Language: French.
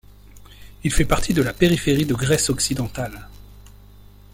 Il fait partie de la périphérie de Grèce-Occidentale.